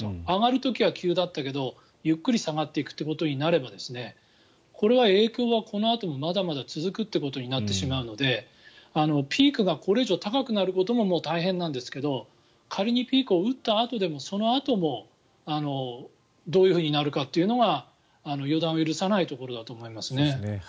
上がる時は急だったけどゆっくり下がっていくことになればこれは影響はこのあともまだまだ続くということになってしまうのでピークがこれ以上高くなることも大変なんですけど仮にピークを打ったあとでもそのあともどうなるかというのが予断を許さないところだと思いますね。